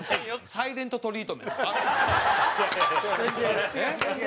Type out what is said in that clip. サイレント・トリートメントしたよな？